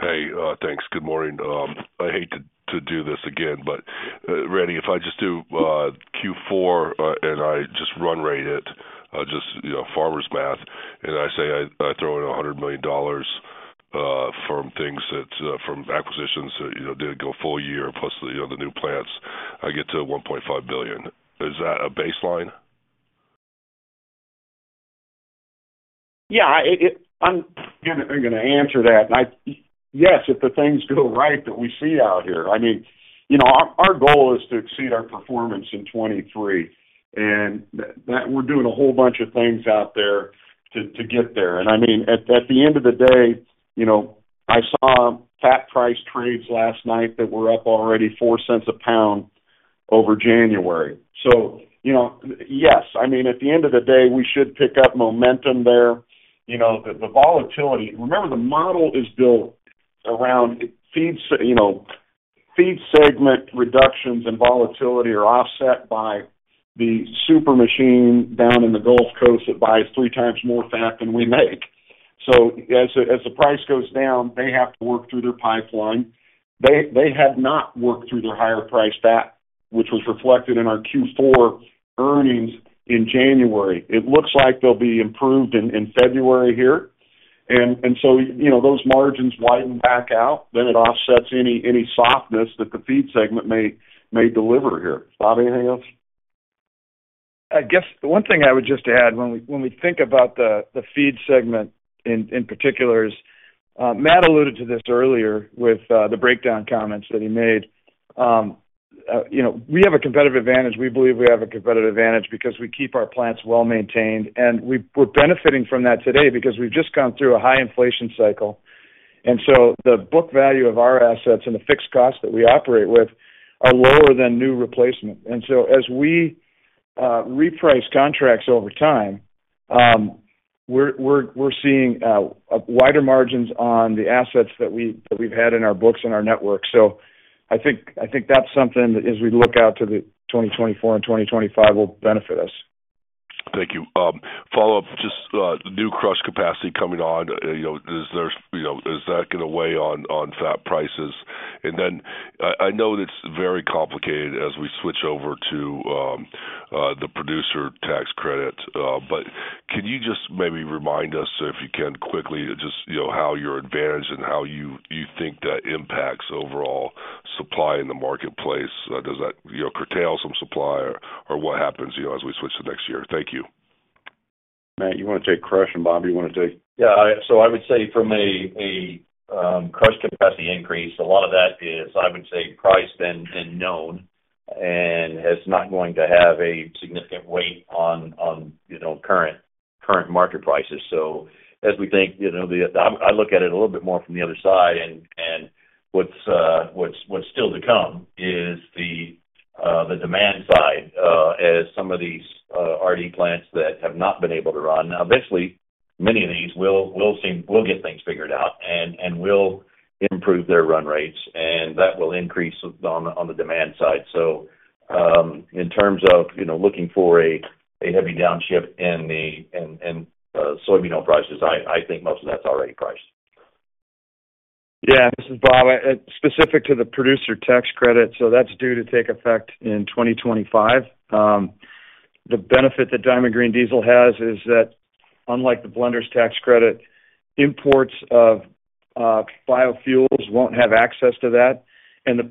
Hey. Thanks. Good morning. I hate to do this again, but Randy, if I just do Q4 and I just run-rate it, just farmer's math, and I say I throw in $100 million from acquisitions that didn't go full year plus the new plants, I get to $1.5 billion. Is that a baseline? Yeah. I'm going to answer that. Yes, if the things go right that we see out here. I mean, our goal is to exceed our performance in 2023. And we're doing a whole bunch of things out there to get there. And I mean, at the end of the day, I saw fat price trades last night that were up already $0.04 a pound over January. So yes, I mean, at the end of the day, we should pick up momentum there. The volatility, remember, the model is built around feed segment reductions and volatility are offset by the super machine down in the Gulf Coast that buys 3x more fat than we make. So as the price goes down, they have to work through their pipeline. They had not worked through their higher price fat, which was reflected in our Q4 earnings in January. It looks like they'll be improved in February here. So those margins widen back out. Then it offsets any softness that the feed segment may deliver here. Bob, anything else? I guess one thing I would just add when we think about the feed segment in particular is Matt alluded to this earlier with the breakdown comments that he made. We have a competitive advantage. We believe we have a competitive advantage because we keep our plants well maintained. And we're benefiting from that today because we've just gone through a high inflation cycle. So the book value of our assets and the fixed costs that we operate with are lower than new replacement. So as we reprice contracts over time, we're seeing wider margins on the assets that we've had in our books and our network. I think that's something that as we look out to 2024 and 2025 will benefit us. Thank you. Follow up, just the new crush capacity coming on, is that going to weigh on fat prices? And then I know that's very complicated as we switch over to the Producer Tax Credit. But can you just maybe remind us, if you can, quickly just how you're advantaged and how you think that impacts overall supply in the marketplace? Does that curtail some supply or what happens as we switch to next year? Thank you. Matt, you want to take crush, and Bob, you want to take? Yeah. So I would say from a crush capacity increase, a lot of that is, I would say, priced and known and is not going to have a significant weight on current market prices. So as we think, I look at it a little bit more from the other side. And what's still to come is the demand side as some of these RD plants that have not been able to run. Now, eventually, many of these will get things figured out and will improve their run rates. And that will increase on the demand side. So in terms of looking for a heavy downshift in soybean oil prices, I think most of that's already priced. Yeah. This is Bob. Specific to the producer tax credit, so that's due to take effect in 2025. The benefit that Diamond Green Diesel has is that, unlike the blender's tax credit, imports of biofuels won't have access to that. And the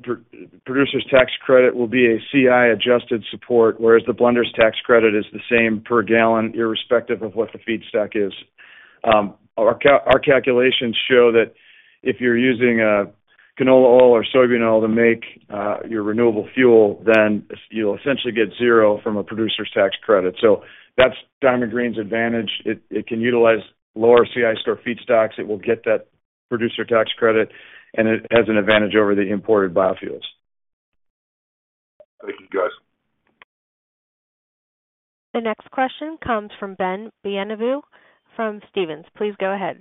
producer's tax credit will be a CI-adjusted support, whereas the blender's tax credit is the same per gallon, irrespective of what the feedstock is. Our calculations show that if you're using canola oil or soybean oil to make your renewable fuel, then you'll essentially get zero from a producer's tax credit. So that's Diamond Green's advantage. It can utilize lower CI-score feedstocks. It will get that producer tax credit. And it has an advantage over the imported biofuels. Thank you, guys. The next question comes from Ben Bienvenu from Stephens. Please go ahead.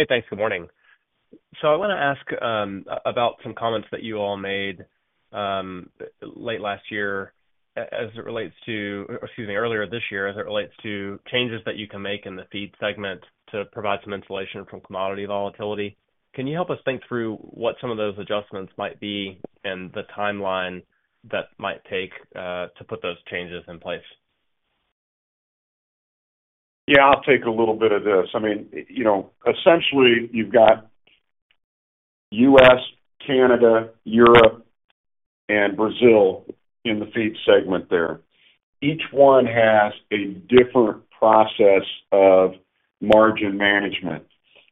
Hey. Thanks. Good morning. So I want to ask about some comments that you all made late last year as it relates to—excuse me, earlier this year—as it relates to changes that you can make in the feed segment to provide some insulation from commodity volatility. Can you help us think through what some of those adjustments might be and the timeline that might take to put those changes in place? Yeah. I'll take a little bit of this. I mean, essentially, you've got U.S., Canada, Europe, and Brazil in the feed segment there. Each one has a different process of margin management.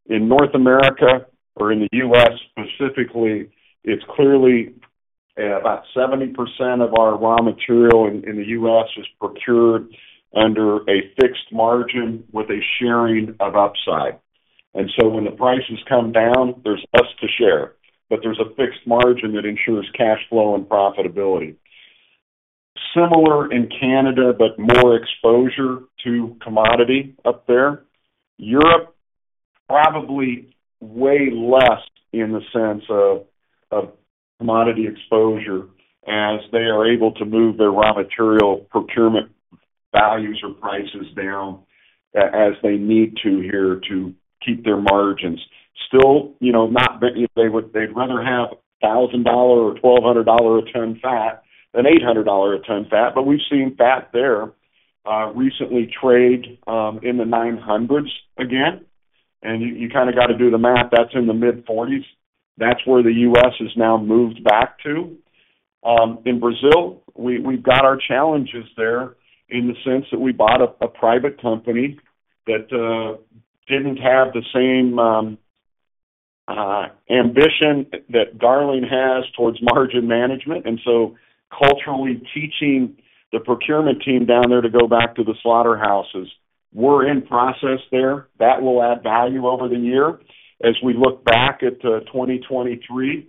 In North America or in the U.S. specifically, it's clearly about 70% of our raw material in the U.S. is procured under a fixed margin with a sharing of upside. And so when the prices come down, there's less to share. But there's a fixed margin that ensures cash flow and profitability. Similar in Canada, but more exposure to commodity up there. Europe, probably way less in the sense of commodity exposure as they are able to move their raw material procurement values or prices down as they need to here to keep their margins. Still, they'd rather have $1,000 or $1,200 a ton fat than $800 a ton fat. But we've seen fat there recently trade in the 900s again. And you kind of got to do the math. That's in the mid-40s. That's where the U.S. has now moved back to. In Brazil, we've got our challenges there in the sense that we bought a private company that didn't have the same ambition that Darling has towards margin management. And so culturally teaching the procurement team down there to go back to the slaughterhouses, we're in process there. That will add value over the year. As we look back at 2023,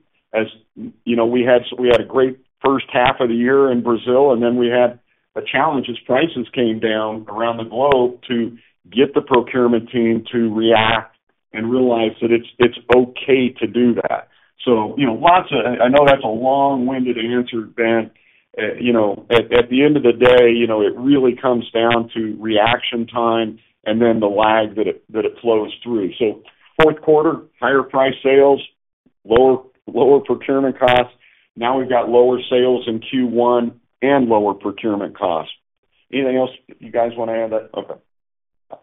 we had a great first half of the year in Brazil. And then we had a challenge as prices came down around the globe to get the procurement team to react and realize that it's okay to do that. So I know that's a long-winded answer, Ben. At the end of the day, it really comes down to reaction time and then the lag that it flows through. So fourth quarter, higher price sales, lower procurement costs. Now we've got lower sales in Q1 and lower procurement costs. Anything else you guys want to add? Okay.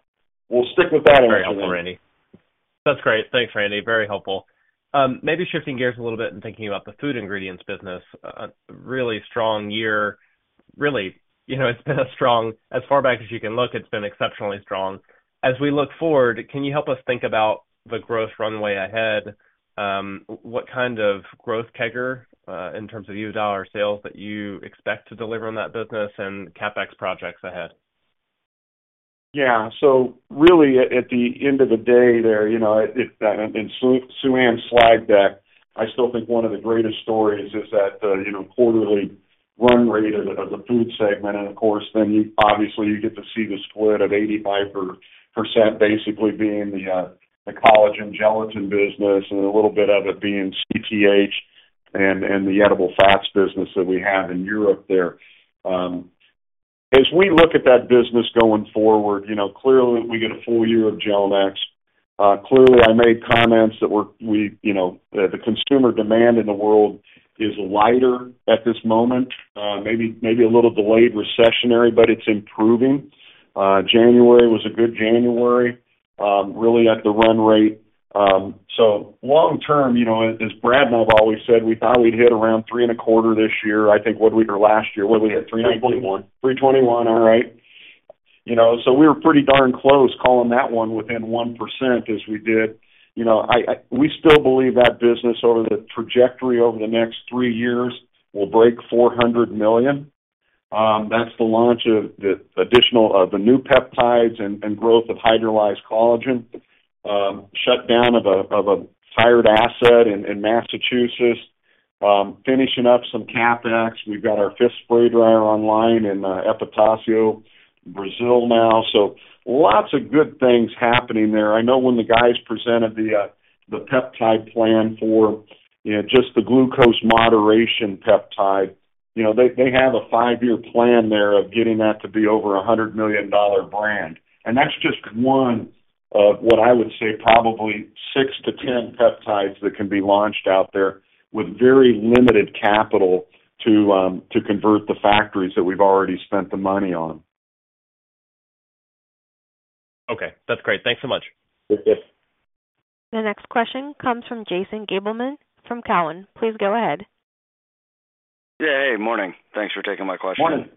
We'll stick with that answer, then. Very helpful, Randy. That's great. Thanks, Randy. Very helpful. Maybe shifting gears a little bit and thinking about the food ingredients business. Really strong year. Really, it's been a strong as far back as you can look. It's been exceptionally strong. As we look forward, can you help us think about the growth runway ahead? What kind of growth kicker in terms of US dollar sales that you expect to deliver on that business and CapEx projects ahead? Yeah. So really, at the end of the day there, in Suann's slide deck, I still think one of the greatest stories is that quarterly run rate of the food segment. And of course, then obviously, you get to see the split of 85% basically being the collagen gelatin business and a little bit of it being CTH and the edible fats business that we have in Europe there. As we look at that business going forward, clearly, we get a full year of Gelnex. Clearly, I made comments that the consumer demand in the world is lighter at this moment, maybe a little delayed recessionary, but it's improving. January was a good January, really, at the run rate. So long term, as Brad and I have always said, we thought we'd hit around $3.25 billion this year. I think what were we or last year? What did we hit? 3.21? 3.21. All right. So we were pretty darn close calling that one within 1% as we did. We still believe that business over the trajectory over the next three years will break $400 million. That's the launch of the new peptides and growth of hydrolyzed collagen, shutdown of a tired asset in Massachusetts, finishing up some CapEx. We've got our fifth spray dryer online in Epitácio, Brazil now. So lots of good things happening there. I know when the guys presented the peptide plan for just the glucose moderation peptide, they have a five-year plan there of getting that to be over a $100 million brand. And that's just one of what I would say probably 6-10 peptides that can be launched out there with very limited capital to convert the factories that we've already spent the money on. Okay. That's great. Thanks so much. The next question comes from Jason Gabelman from Cowen. Please go ahead. Yeah. Hey. Morning. Thanks for taking my question. Morning.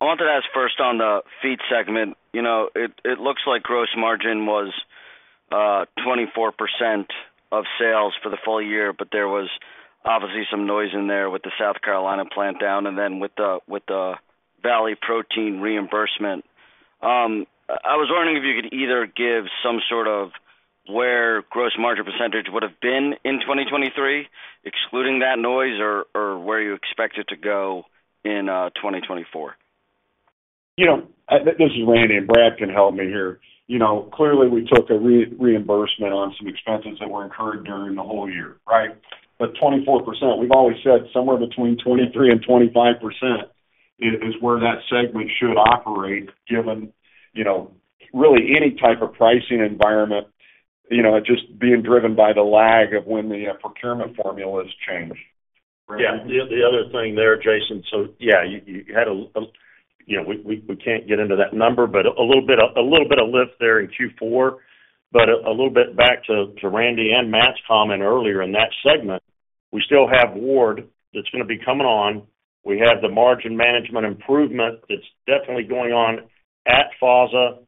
I wanted to ask first on the feed segment. It looks like gross margin was 24% of sales for the full year. But there was obviously some noise in there with the South Carolina plant down and then with the Valley Proteins reimbursement. I was wondering if you could either give some sort of where gross margin percentage would have been in 2023 excluding that noise or where you expect it to go in 2024. This is Randy. Brad can help me here. Clearly, we took a reimbursement on some expenses that were incurred during the whole year, right? But 24%, we've always said somewhere between 23%-25% is where that segment should operate given really any type of pricing environment, just being driven by the lag of when the procurement formulas change. Yeah. The other thing there, Jason, so yeah, you had a, we can't get into that number, but a little bit of lift there in Q4. But a little bit back to Randy and Matt's comment earlier in that segment, we still have Ward that's going to be coming on. We have the margin management improvement that's definitely going on at FASA,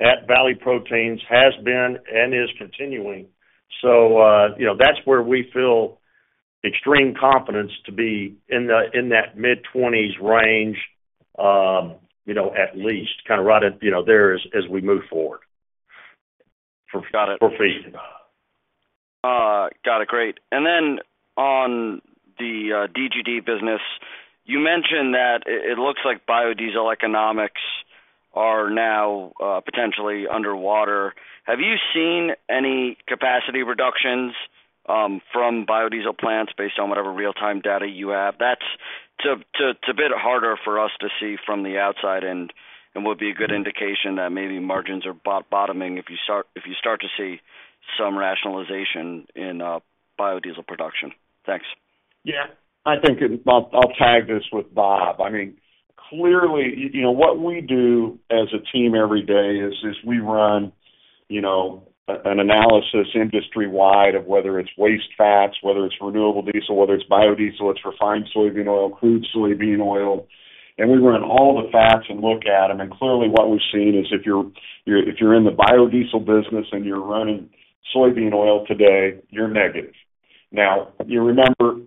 at Valley Proteins, has been and is continuing. So that's where we feel extreme confidence to be in that mid-20s range at least, kind of right there as we move forward for feed. Got it. Got it. Great. And then on the DGD business, you mentioned that it looks like biodiesel economics are now potentially underwater. Have you seen any capacity reductions from biodiesel plants based on whatever real-time data you have? That's a bit harder for us to see from the outside and would be a good indication that maybe margins are bottoming if you start to see some rationalization in biodiesel production. Thanks. Yeah. I think I'll tag this with Bob. I mean, clearly, what we do as a team every day is we run an analysis industry-wide of whether it's waste fats, whether it's renewable diesel, whether it's biodiesel, it's refined soybean oil, crude soybean oil. And we run all the fats and look at them. And clearly, what we've seen is if you're in the biodiesel business and you're running soybean oil today, you're negative. Now, you remember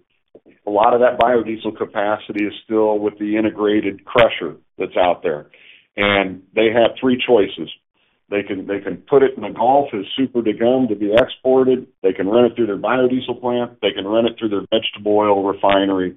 a lot of that biodiesel capacity is still with the integrated crusher that's out there. And they have three choices. They can put it in the Gulf as super degummed to be exported. They can run it through their biodiesel plant. They can run it through their vegetable oil refinery.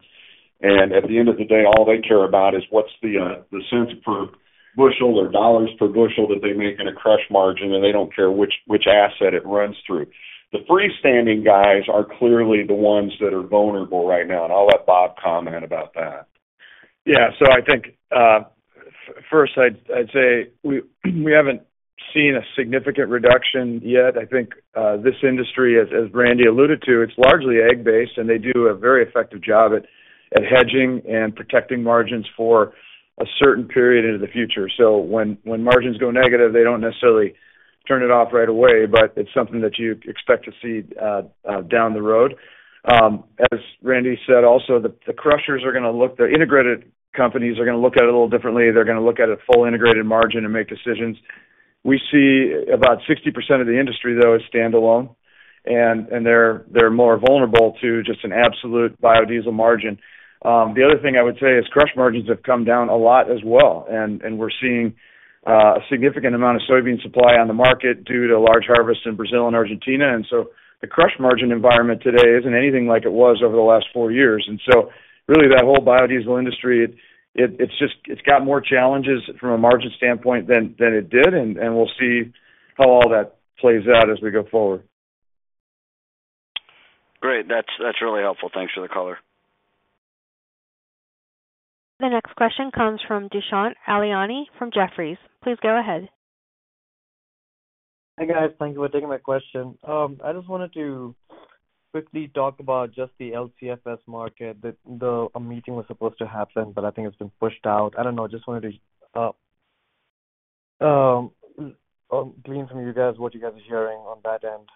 At the end of the day, all they care about is what's the cents per bushel or dollars per bushel that they make in a crush margin. They don't care which asset it runs through. The freestanding guys are clearly the ones that are vulnerable right now. I'll let Bob comment about that. Yeah. So I think first, I'd say we haven't seen a significant reduction yet. I think this industry, as Randy alluded to, it's largely ag-based. And they do a very effective job at hedging and protecting margins for a certain period into the future. So when margins go negative, they don't necessarily turn it off right away. But it's something that you expect to see down the road. As Randy said, also, the crushers are going to look the integrated companies are going to look at it a little differently. They're going to look at a full integrated margin and make decisions. We see about 60% of the industry, though, is standalone. And they're more vulnerable to just an absolute biodiesel margin. The other thing I would say is crush margins have come down a lot as well. We're seeing a significant amount of soybean supply on the market due to a large harvest in Brazil and Argentina. So the crush margin environment today isn't anything like it was over the last four years. Really, that whole biodiesel industry, it's got more challenges from a margin standpoint than it did. We'll see how all that plays out as we go forward. Great. That's really helpful. Thanks for the color. The next question comes from Dushyant Ailani from Jefferies. Please go ahead. Hey, guys. Thank you for taking my question. I just wanted to quickly talk about just the LCFS market. A meeting was supposed to happen, but I think it's been pushed out. I don't know. I just wanted to glean from you guys what you guys are hearing on that end.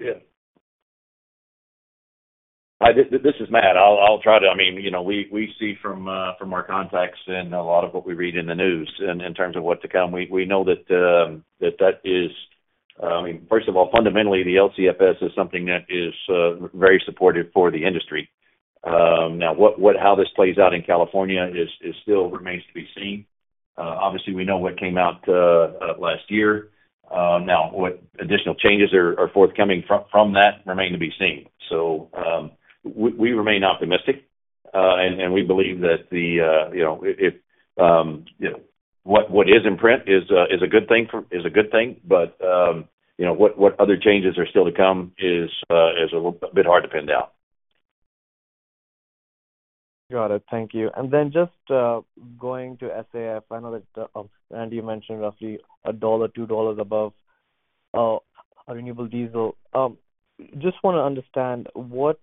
Yeah. This is Matt. I'll try to, I mean, we see from our contacts and a lot of what we read in the news in terms of what to come. We know that that is, I mean, first of all, fundamentally, the LCFS is something that is very supportive for the industry. Now, how this plays out in California still remains to be seen. Obviously, we know what came out last year. Now, what additional changes are forthcoming from that remain to be seen. So we remain optimistic. And we believe that the what is in print is a good thing. But what other changes are still to come is a bit hard to pin down. Got it. Thank you. And then just going to SAF, I know that Randy mentioned roughly $1-$2 above renewable diesel. Just want to understand, what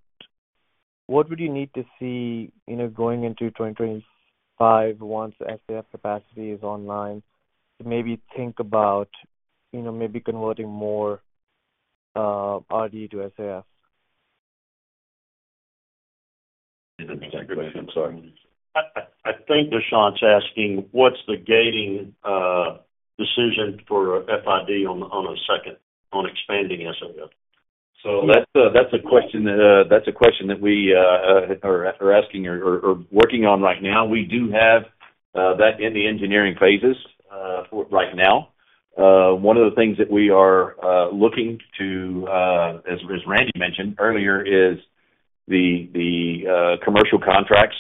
would you need to see going into 2025 once SAF capacity is online to maybe think about maybe converting more RD to SAF? I'm sorry. I think Dushyant's asking, what's the gating decision for FID on expanding SAF? So that's a question that we are asking or working on right now. We do have that in the engineering phases right now. One of the things that we are looking to, as Randy mentioned earlier, is the commercial contracts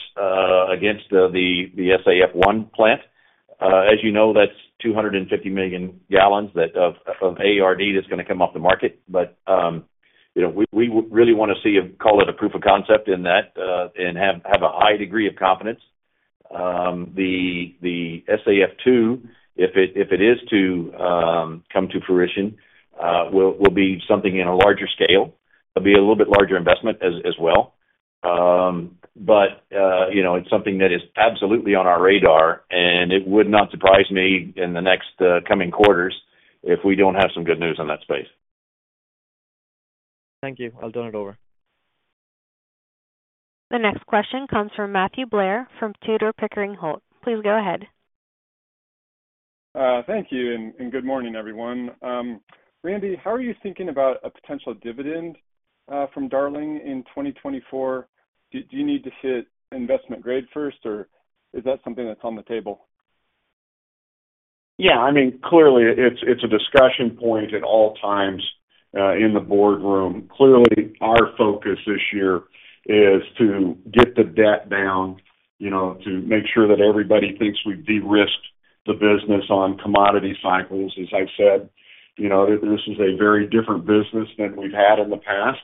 against the SAF-1 plant. As you know, that's 250 million gallons of ARD that's going to come off the market. But we really want to see a call it a proof of concept in that and have a high degree of confidence. The SAF-2, if it is to come to fruition, will be something in a larger scale. It'll be a little bit larger investment as well. But it's something that is absolutely on our radar. It would not surprise me in the next coming quarters if we don't have some good news in that space. Thank you. I'll turn it over. The next question comes from Matthew Blair from Tudor Pickering Holt. Please go ahead. Thank you. Good morning, everyone. Randy, how are you thinking about a potential dividend from Darling in 2024? Do you need to hit investment grade first, or is that something that's on the table? Yeah. I mean, clearly, it's a discussion point at all times in the boardroom. Clearly, our focus this year is to get the debt down to make sure that everybody thinks we've de-risked the business on commodity cycles. As I've said, this is a very different business than we've had in the past.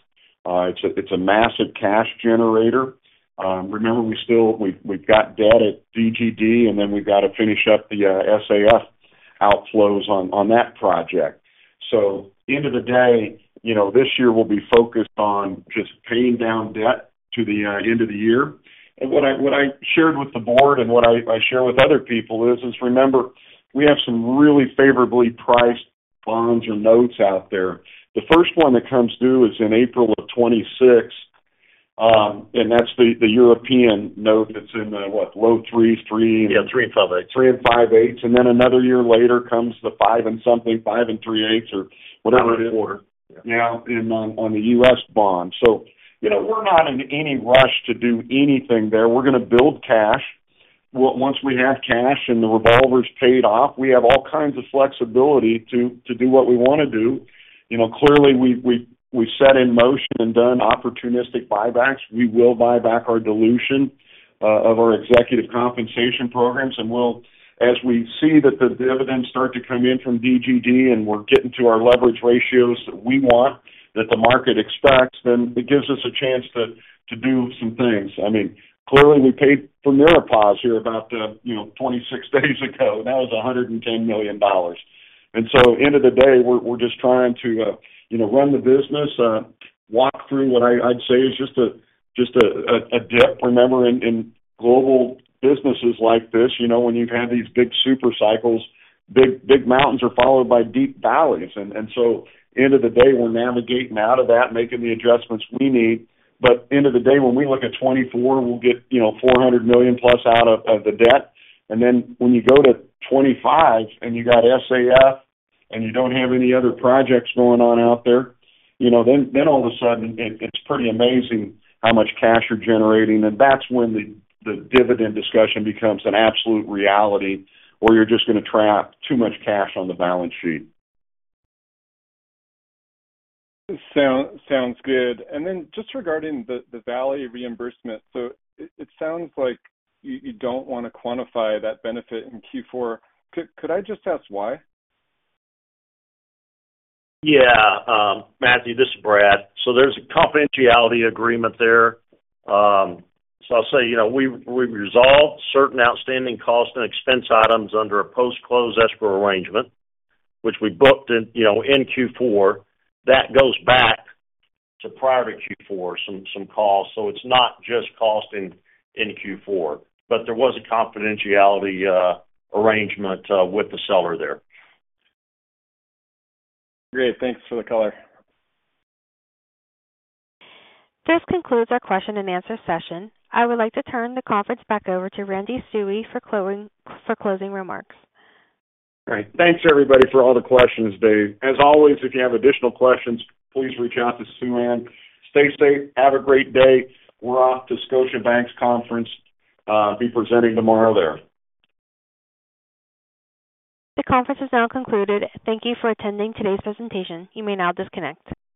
It's a massive cash generator. Remember, we've got debt at DGD. And then we've got to finish up the SAF outflows on that project. So end of the day, this year will be focused on just paying down debt to the end of the year. And what I shared with the board and what I share with other people is, remember, we have some really favorably priced bonds or notes out there. The first one that comes due is in April of 2026. And that's the European note that's in the, what, low 3's, 3's. Yeah. 3's, 5's. 3's, 5's. Then another year later, comes the 5's, 5's, and 3's, or whatever it is. Yeah. And on the U.S. bond. So we're not in any rush to do anything there. We're going to build cash. Once we have cash and the revolvers paid off, we have all kinds of flexibility to do what we want to do. Clearly, we've set in motion and done opportunistic buybacks. We will buy back our dilution of our executive compensation programs. And as we see that the dividends start to come in from DGD and we're getting to our leverage ratios that we want, that the market expects, then it gives us a chance to do some things. I mean, clearly, we paid for Miropasz here about 26 days ago. That was $110 million. And so end of the day, we're just trying to run the business, walk through what I'd say is just a dip. Remember, in global businesses like this, when you've had these big super cycles, big mountains are followed by deep valleys. And so end of the day, we're navigating out of that, making the adjustments we need. But end of the day, when we look at 2024, we'll get $400+ million out of the debt. And then when you go to 2025 and you got SAF and you don't have any other projects going on out there, then all of a sudden, it's pretty amazing how much cash you're generating. And that's when the dividend discussion becomes an absolute reality where you're just going to trap too much cash on the balance sheet. Sounds good. And then just regarding the Valley reimbursement, so it sounds like you don't want to quantify that benefit in Q4. Could I just ask why? Yeah. Matthew, this is Brad. There's a confidentiality agreement there. I'll say we've resolved certain outstanding cost and expense items under a post-close escrow arrangement, which we booked in Q4. That goes back to prior to Q4, some costs. It's not just cost in Q4. But there was a confidentiality arrangement with the seller there. Great. Thanks for the color. This concludes our question-and-answer session. I would like to turn the conference back over to Randy Stuewe for closing remarks. All right. Thanks, everybody, for all the questions, Dave. As always, if you have additional questions, please reach out to Suann. Stay safe. Have a great day. We're off to Scotiabank's conference. Be presenting tomorrow there. The conference is now concluded. Thank you for attending today's presentation. You may now disconnect.